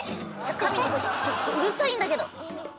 神の声ちょっとうるさいんだけど。